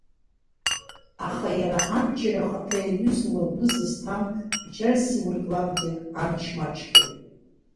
Аха иара абџьар ахаҭа иаҩызоу агәы зызҭам бџьарс иурклакгьы амч маҷхоит.